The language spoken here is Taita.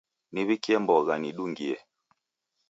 Niw'ikie mbogha nidungie.